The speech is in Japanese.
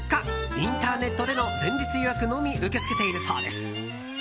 インターネットでの前日予約のみ受け付けているそうです。